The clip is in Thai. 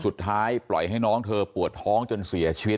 ปล่อยให้น้องเธอปวดท้องจนเสียชีวิต